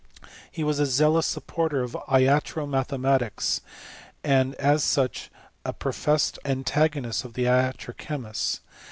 He was a zealous supporter of iatro mathematics, and as such ja professed antagonist of the iatro chemists.